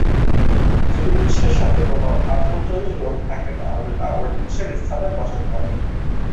যদি উৎসের সাথে কোন আভ্যন্তরীণ রোধ থাকে তাহলে তা ঐ উৎসের স্থানে বসাতে হবে।